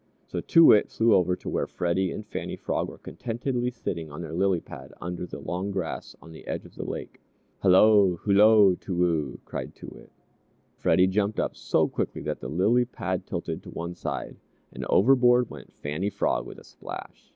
So Too Wit flew over to where Freddie and Fannie Frog were contentedly sitting on their lily pad under the long grass on the edge of the lake. "Hello, hullo, Too woo!" cried Too Wit. Freddie jumped up so quickly that the lily pad tilted to one side, and overboard went Fannie Frog with a splash.